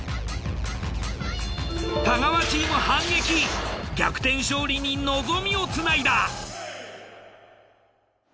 太川チーム反撃逆転勝利に望みをつないだ。